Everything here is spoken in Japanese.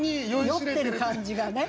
酔ってる感じがね。